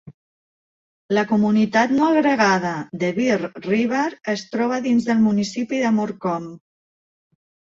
La comunitat no agregada de Bear River es troba dins del municipi de Morcom.